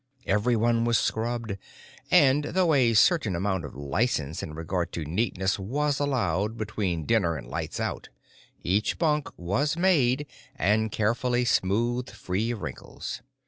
Everyone was scrubbed, and though a certain amount of license in regard to neatness was allowed between dinner and lights out, each bunk was made and carefully smoothed free of wrinkles.